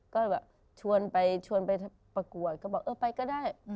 ก็แบบชวนไปชวนไปประกวดก็บอกเออไปก็ได้